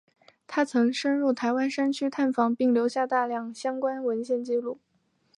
他曾深入台湾山区探访并留下大量相关文献纪录。